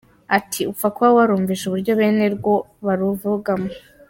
Ati “Upfa kuba warumvise uburyo bene rwo baruvugamo.